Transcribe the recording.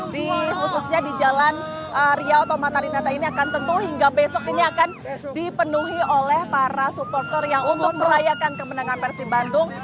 di khususnya di jalan riau tomatarinata ini akan tentu hingga besok ini akan dipenuhi oleh para supporter yang untuk merayakan kemenangan persib bandung